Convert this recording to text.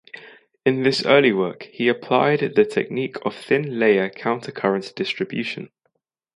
In this early work he applied the technique of thin layer countercurrent distribution.